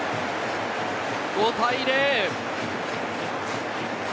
５対０。